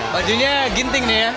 wajahnya ginting ya